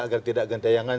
agar tidak gentayangan